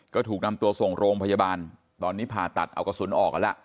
ก็ถูกนำตัวส่งโรงพยาบาลตอนนี้ผ่าตัดเอากระสุนออกกันแล้ว